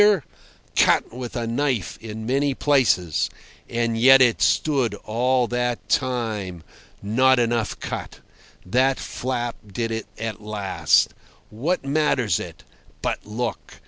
Cut with a knife in many places. And yet it stood all that time. Not enough cut. That flap did it at last. What matters it? But look!